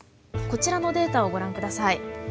こちらのデータをご覧ください。